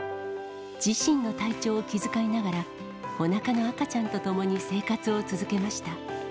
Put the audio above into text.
自身の体調を気遣いながら、おなかの赤ちゃんと共に生活を続けました。